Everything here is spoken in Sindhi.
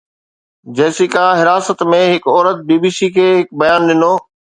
جيسيڪا، حراست ۾ هڪ عورت، بي بي سي کي هڪ بيان ڏنو